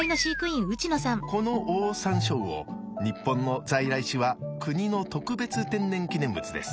このオオサンショウウオ日本の在来種は国の特別天然記念物です。